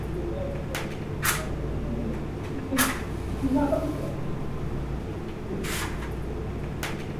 la Uingereza kujiondoa Ulaya kuwa ni wakati